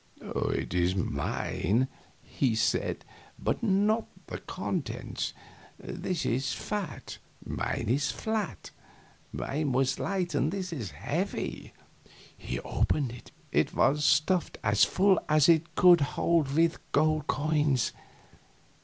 "It is mine," he said, "but not the contents. This is fat; mine was flat; mine was light; this is heavy." He opened it; it was stuffed as full as it could hold with gold coins.